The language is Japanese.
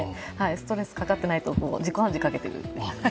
ストレスかかってないと自己暗示かけてます。